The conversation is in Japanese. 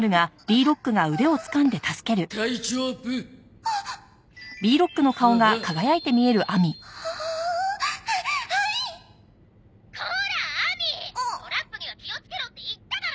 「トラップには気をつけろって言っただろ？」